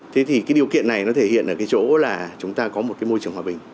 thế thì cái điều kiện này nó thể hiện ở cái chỗ là chúng ta có một cái môi trường hòa bình